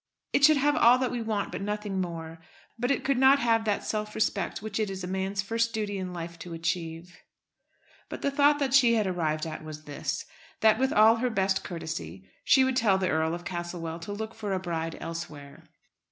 It should have all that we want, but nothing more. But it could not have that self respect which it is a man's first duty in life to achieve." But the thought that she had arrived at was this, that with all her best courtesy she would tell the Earl of Castlewell to look for a bride elsewhere.